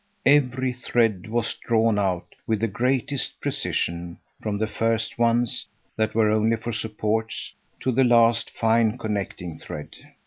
Every thread was drawn out with the greatest precision from the first ones that were only for supports to the last fine connecting thread.